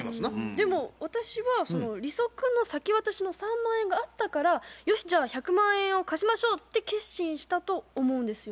でも私はその利息の先渡しの３万円があったから「よしじゃあ１００万円を貸しましょう」って決心したと思うんですよ。